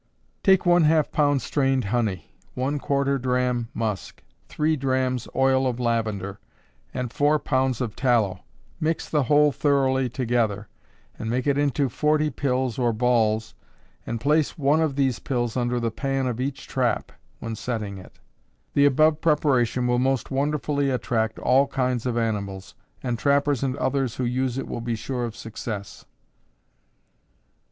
Take one half pound strained honey, one quarter drachm musk, three drachms oil of lavender, and four pounds of tallow, mix the whole thoroughly together, and make it into forty pills, or balls, and place one of these pills under the pan of each trap when setting it. The above preparation will most wonderfully attract all kinds of animals, and trappers and others who use it will be sure of success.